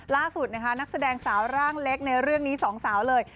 ล่าสุดนะคะนักแสดงสาวร่างเล็กในเรื่องนี้สองสาวเลย